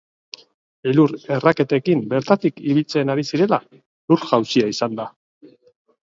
Elur-erraketekin bertatik ibiltzen ari zirela, lur-jausia izan da.